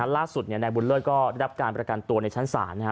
ล่าสุดนายบุญเลิศก็ได้รับการประกันตัวในชั้นศาล